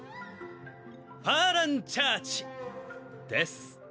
ファーラン・チャーチです。